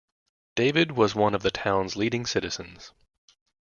David was one of the town's leading citizens.